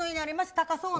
高そうな。